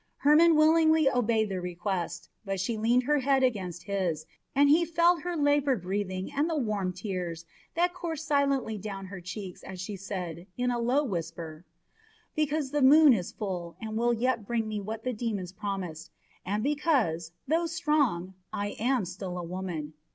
Hermon willingly obeyed the request, but she leaned her head against his, and he felt her laboured breathing and the warm tears that coursed silently down her cheeks as she said, in a low whisper: "Because the moon is full, and will yet bring me what the demons promised, and because, though strong, I am still a woman.